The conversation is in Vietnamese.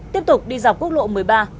tiếp tục đi dọc quốc lộ một mươi ba